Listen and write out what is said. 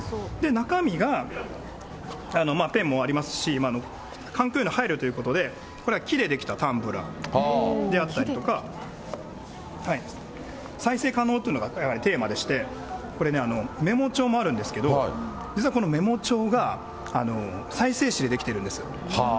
中身が、ペンもありますし、環境への配慮ということで、これは木で出来たタンブラーであったりとか、再生可能というのがテーマでして、これね、メモ帳もあるんですけど、実はこのメモ帳が再生紙で出来てるんです。